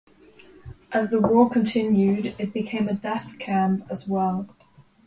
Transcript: As the war continued, it became a death camp as well.